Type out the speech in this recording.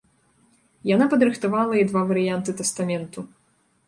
Яна падрыхтавала і два варыянты тастаменту.